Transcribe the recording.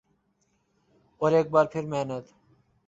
اورایک بار پھر محنت